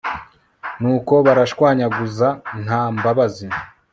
nuko baranshwanyaguza nta mbabazi